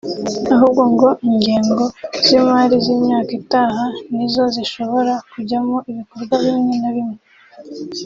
ahubwo ngo ingengo z’imari z’imyaka itaha ni zo zishobora kujyamo ibikorwa bimwe na bimwe